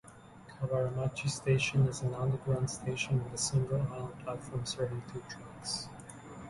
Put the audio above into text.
Kawaramachi Station is an underground station with a single island platform serving two tracks.